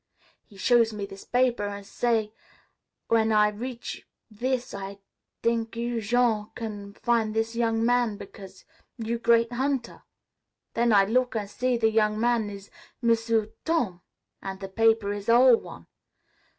He show me this paper an' say, 'W'en I read this I t'ink you, Jean, can fin' this young man, because you great hunter.' Then I look an' see the young man is M'sieu' Tom, an' the paper is ol' one.